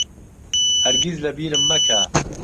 هەرگیز لەبیرم مەکە.